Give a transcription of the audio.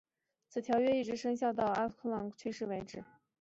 此条约一直生效直到贡特拉姆去世为止。